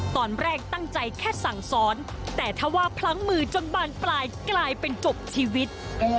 ตอนแรกตั้งใจแค่สั่งสอนแต่ถ้าว่าพลั้งมือจนบานปลายกลายเป็นจบชีวิต